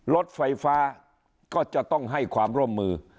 รถไฟฟ้าก็จะต้องให้ความร่วมมือ